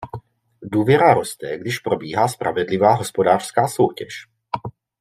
Důvěra roste, když probíhá spravedlivá hospodářská soutěž.